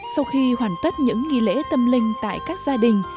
sau khi hoàn tất những nghi lễ tâm linh tại các gia đình